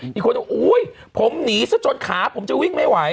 อีกคนบอกอุ้ยผมหนีซะจนขาผมจะวิ่งไม่ไหว